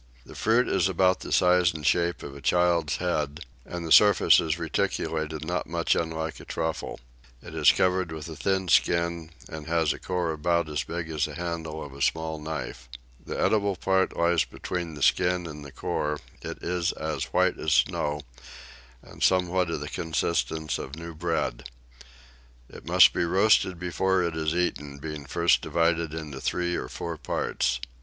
The fruit is about the size and shape of a child's head, and the surface is reticulated not much unlike a truffle: it is covered with a thin skin, and has a core about as big as the handle of a small knife. The eatable part lies between the skin and the core; it is as white as snow, and somewhat of the consistence of new bread: it must be roasted before it is eaten, being first divided into three or four parts.